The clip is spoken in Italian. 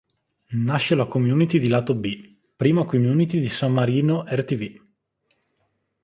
Nasce la community di Lato B, prima community della San Marino Rtv.